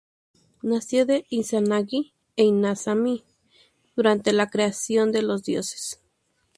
Nació de Izanagi e Izanami durante la creación de los dioses.